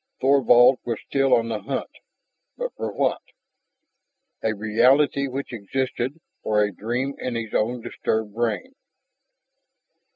Thorvald was still on the hunt, but for what? A reality which existed, or a dream in his own disturbed brain?